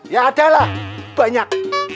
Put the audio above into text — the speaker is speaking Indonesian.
ya ada lah banyak